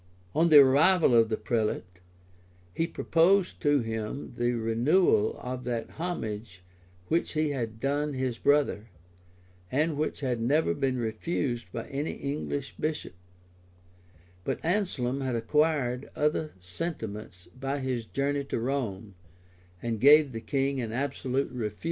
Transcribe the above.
[] On the arrival of the prelate, he proposed to him the renewal of that homage which he had done his brother, and which had never been refused by any English bishop; but Anslem had acquired other sentiments by his journey to Rome, and gave the king an absolute refusal.